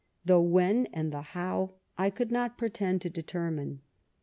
The when and the how I could not pretend to :determine.